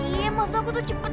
iya maksud aku tuh cepetan